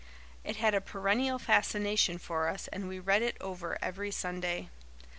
It had a perennial fascination for us and we read it over every Sunday.